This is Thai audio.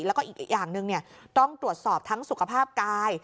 แล้วก็อีกอย่างหนึ่งต้องตรวจสอบทั้งสุขภาพกาย